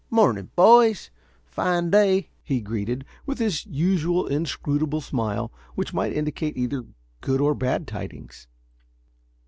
"Morning, boys. Fine day," he greeted, with his usual inscrutable smile, which might indicate either good or bad tidings.